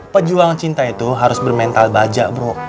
pejuang cinta itu harus bermental baja bro